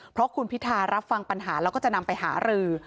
เพราะคุณพิธารับฟังปัญหาแล้วก็จะนำไปหารือ